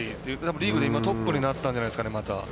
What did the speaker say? リーグで今、トップになったんじゃないですかね、また。